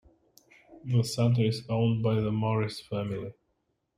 The centre is owned by the Morris family.